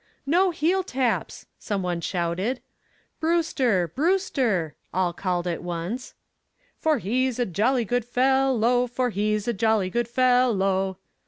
"No heel taps!" some one shouted. "Brewster! Brewster!" all called at once. "For he's a jolly good fellow, For he's a jolly good fellow!"